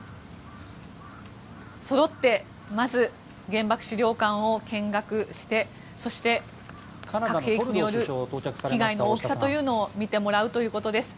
そろってまず原爆資料館を見学してそして核兵器による被害の大きさを見てもらうということです。